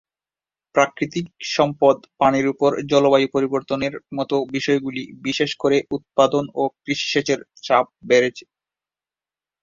প্রাকৃতিক সম্পদ পানির উপর জলবায়ু পরিবর্তনের মতো বিষয়গুলি বিশেষ করে উৎপাদন ও কৃষি সেচের চাপ বেড়েছে।